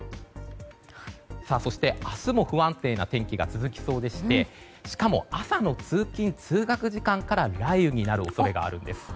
そして、明日も不安定な天気が続きそうでしてしかも、朝の通勤・通学時間から雷雨になる恐れがあるんです。